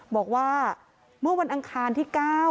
บอกว่าเมื่อวันอังคารที่๙